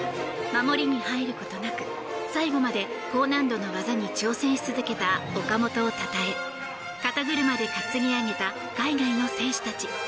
守りに入ることなく最後まで高難度の技に挑戦し続けた岡本をたたえ肩車で担ぎ上げた海外の選手たち。